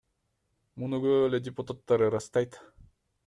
Муну көп эле депутаттар ырастайт.